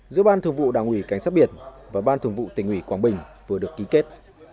giữa ban thường vụ đảng ủy cảnh sát biển và ban thường vụ tỉnh ủy quảng bình vừa được ký kết